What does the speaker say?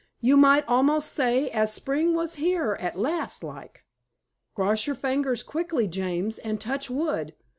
"You might almost say as Spring was here at last, like." "Cross your fingers quickly, James, and touch wood.